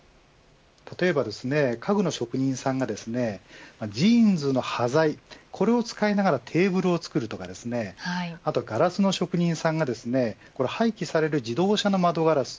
例えば家具の職人さんがジーンズの端材これを使いながらテーブルを作るとかガラスの職人さんが廃棄される自動車の窓ガラス